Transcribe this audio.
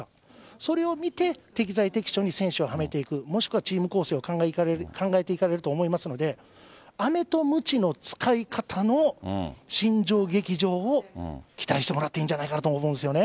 それを見て、適材適所に選手をはめていく、もしくはチーム構成を考えていかれると思いますので、あめとむちの使い方の新庄劇場を、期待してもらっていいじゃないかなと思うんですよね。